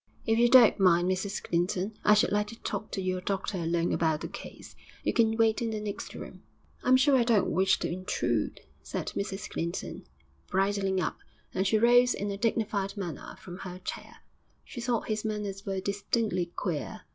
'If you don't mind, Mrs Clinton, I should like to talk to your doctor alone about the case. You can wait in the next room.' 'I'm sure I don't wish to intrude,' said Mrs Clinton, bridling up, and she rose in a dignified manner from her chair. She thought his manners were distinctly queer.